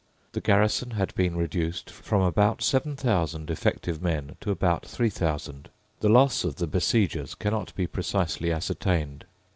The garrison had been reduced from about seven thousand effective men to about three thousand. The loss of the besiegers cannot be precisely ascertained.